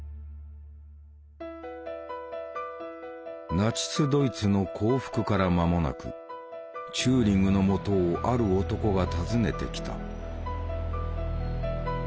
ナチス・ドイツの降伏から間もなくチューリングのもとをある男が訪ねてきた。